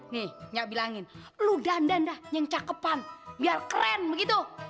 nih nya bilangin lo dandan dah yang cakepan biar keren begitu